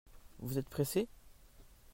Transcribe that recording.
Vous êtes pressé ?